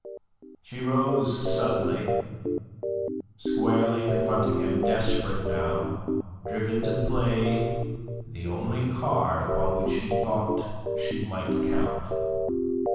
She rose suddenly, squarely confronting him, desperate now, driven to play the only card upon which she thought she might count.